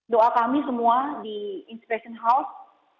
doa kami semua di inspiration house